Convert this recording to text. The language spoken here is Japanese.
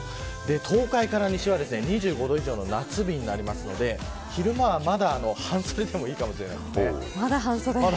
東海から西は２５度以上の夏日になりますので昼間はまだ半袖でもいいかもしれません。